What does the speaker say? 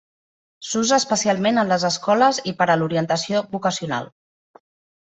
S'usa especialment en les escoles i per a l'orientació vocacional.